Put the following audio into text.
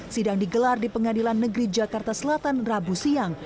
sidang digelar di pengadilan negeri jakarta selatan rabu siang